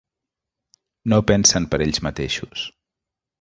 No pensen per ells mateixos.